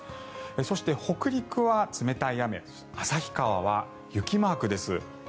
そして、北陸は冷たい雨旭川は雪マークです。